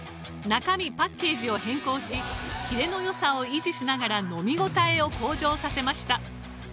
中身パッケージを変更しキレの良さを維持しながら飲み応えを向上させました。